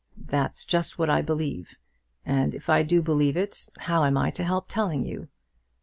That's just what I believe; and if I do believe it, how am I to help telling you?"